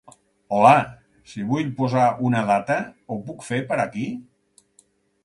Hola, sí, vull posar una data, ho puc fer per aquí?